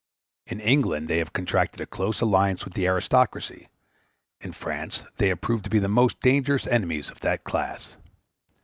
In England they have contracted a close alliance with the aristocracy; in France they have proved to be the most dangerous enemies of that class.